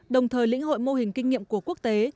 đồng thời lĩnh hội mô hình kinh nghiệm của quốc tế